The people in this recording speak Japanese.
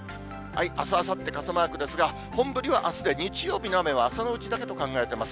あす、あさって傘マークですが、本降りはあすで、日曜日の雨は朝のうちだけと考えています。